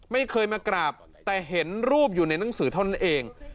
ไม่เคยมากราบแต่เห็นรูปอยู่ในหนังสือเท่านั้นเอง